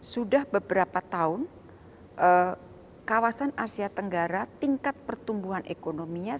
sudah beberapa tahun kawasan asia tenggara tingkat pertumbuhan ekonominya